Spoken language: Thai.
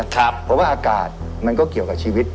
เพราะว่าอากาศมันก็เกี่ยวกับชีวิต